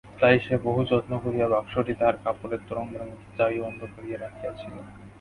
তাই সে বহু যত্ন করিয়া বাক্সটি তাহার কাপড়ের তোরঙ্গের মধ্যে চাবি-বন্ধ করিয়া রাখিয়াছিল।